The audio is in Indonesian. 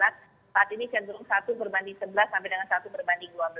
saat ini cenderung satu berbanding sebelas sampai dengan satu berbanding dua belas